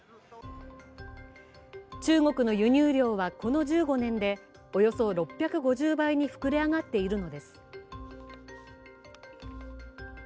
中国の輸入量はこの１５年でおよそ６５０倍に膨れ上がっているのです。